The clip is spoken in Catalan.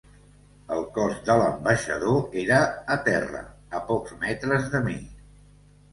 El cos de l’ambaixador era a terra, a pocs metres de mi.